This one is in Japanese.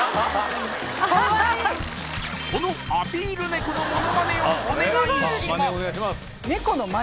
このアピールネコのモノマネをお願いします